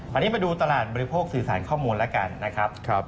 อันนี้มาดูตลาดบริโภคสื่อสารข้อมูลแล้วกันนะครับ